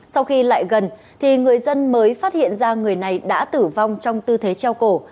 sau khi lại gần thì người dân mới phát hiện ra người này đã tử vong trong tư thế treo cổ